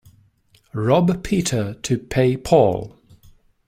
Rob Peter to pay Paul.